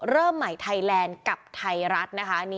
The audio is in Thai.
เริ่มใหม่ไทยแลนด์กับไทยรัฐนะคะ